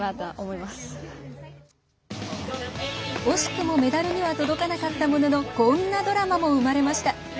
惜しくもメダルには届かなかったもののこんなドラマも生まれました。